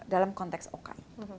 dalam konteks oki